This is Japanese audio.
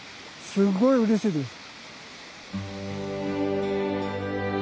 すごいうれしいです。